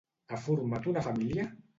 Ha format una família?